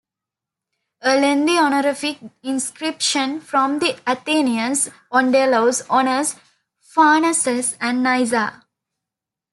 A lengthy honorific inscription from the Athenians on Delos honors Pharnaces and Nysa.